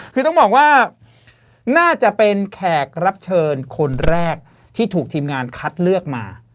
คือต้องบอกว่าน่าจะเป็นแขกรับเชิญคนแรกที่ถูกทีมงานคัดเลือกมา